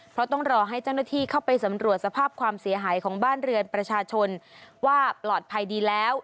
เพราะต้องรอให้เจ้าหน้าที่เข้าไปสำรวจสภาพความเสียหายของบ้านเรือนประชาชนว่าปลอดภัยดีแล้ว